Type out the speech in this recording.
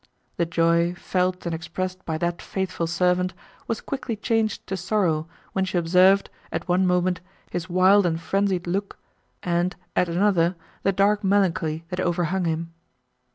The joy, felt and expressed by that faithful servant, was quickly changed to sorrow, when she observed, at one moment, his wild and frenzied look, and, at another, the dark melancholy, that overhung him.